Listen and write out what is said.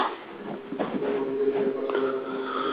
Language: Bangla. কোন মনজিলে পৌঁছলে তিনি আমার উটকে বসাতেন।